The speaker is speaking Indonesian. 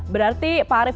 berarti pak arief